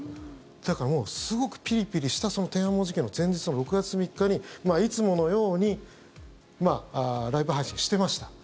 だからもう、すごくピリピリした天安門事件の前日の６月３日にいつものようにライブ配信してました。